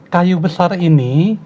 kayu besar ini